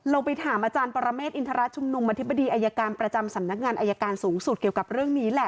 ไปถามอาจารย์ปรเมฆอินทรชุมนุมอธิบดีอายการประจำสำนักงานอายการสูงสุดเกี่ยวกับเรื่องนี้แหละ